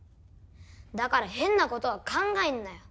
だから変なことを考えるなよ。